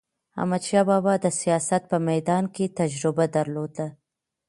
احمدشاه بابا د سیاست په میدان کې تجربه درلوده.